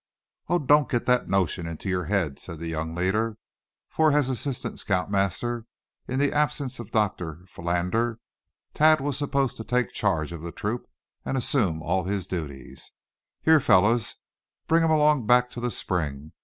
"Oh! don't get that notion into your head," said the young leader; for as assistant scout master, in the absence of Dr. Philander, Thad was supposed to take charge of the troop, and assume all his duties; "here, fellows, bring him along back to the spring.